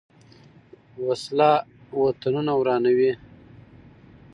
وسله وطنونه ورانوي